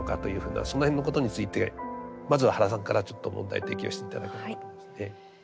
その辺のことについてまずは原さんからちょっと問題提起をして頂ければと思います。